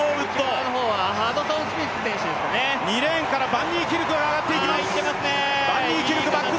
２レーンからバンニーキルクが上がっています。